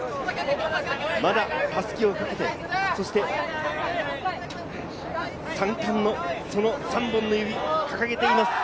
まだ襷をかけて、そして３冠の３本の指を掲げています。